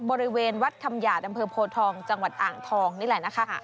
บริเวณวัดคำหยาดอำเภอโพทองจังหวัดอ่างทองนี่แหละนะคะ